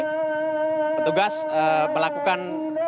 untuk pertugas melakukan